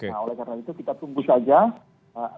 nah oleh karena itu kita tunggu saja